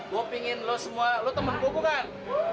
gue pingin lo semua lo teman kuku kan